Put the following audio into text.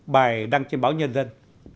bài đăng trên báo nhân dân